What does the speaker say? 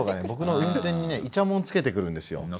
僕の運転にねいちゃもんつけてくるんですよ。